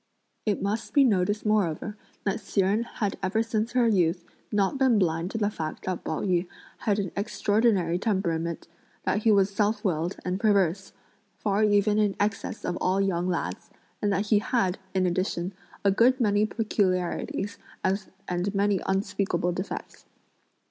It must be noticed moreover that Hsi Jen had ever since her youth not been blind to the fact that Pao yü had an extraordinary temperament, that he was self willed and perverse, far even in excess of all young lads, and that he had, in addition, a good many peculiarities and many unspeakable defects.